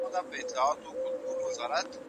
ازمایښتونه نوي لاري پرانیزي.